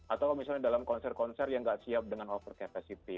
atau misalnya dalam konser konser yang tidak siap dengan over capacity